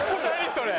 それ。